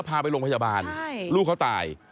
พาไปโรงพยาบาลลูกเขาตาย